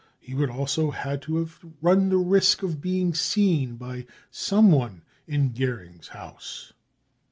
Pie would also have had to run the risk of being seen by someone in Goering's house.